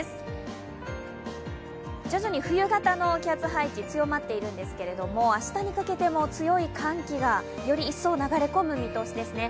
徐々に冬型の気圧配置強まっているんですけど、明日にかけても強い寒気がより一層流れ込む見通しですね。